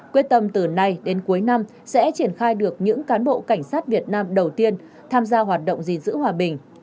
quyết tâm từ nay đến cuối năm sẽ triển khai được những cán bộ cảnh sát việt nam đầu tiên tham gia hoạt động gìn giữ hòa bình